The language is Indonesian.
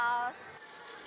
iya santa claus